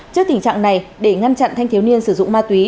trước tình trạng này để ngăn chặn thanh thiếu niên sử dụng ma túy